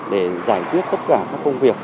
để giải quyết tất cả các công việc